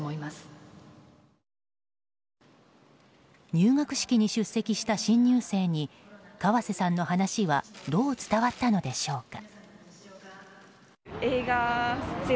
入学式に出席した新入生に河瀬さんの話はどう伝わったのでしょうか。